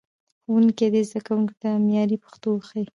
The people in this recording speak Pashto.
ښوونکي دې زدهکوونکو ته معیاري پښتو وښيي.